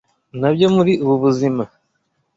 na byo muri ubu buzima